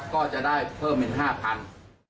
ก็จะได้เพิ่มเป็น๕๐๐บาท